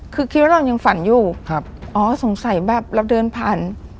คือคิดว่าเรายังฝันอยู่ครับอ๋อสงสัยแบบเราเดินผ่าน